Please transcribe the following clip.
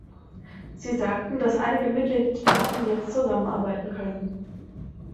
Sie sagten, dass einige Mitgliedstaaten jetzt zusammenarbeiten können.